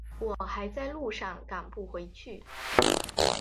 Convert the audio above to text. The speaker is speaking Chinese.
我还在路上赶不回去